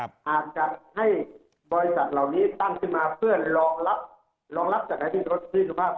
อาจจัดให้บริษัทเหล่านี้ตั้งขึ้นมาเพื่อรองรับจากไหนที่สุภาพ